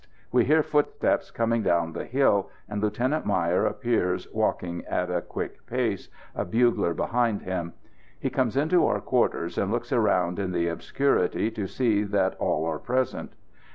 We hear footsteps coming down the hill, and Lieutenant Meyer appears walking at a quick pace, a bugler behind him. He comes into our quarters, and looks around in the obscurity to see that all are present.